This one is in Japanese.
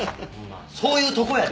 そういうとこやで！